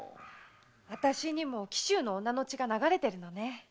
私にも紀州の女の血が流れてるのね。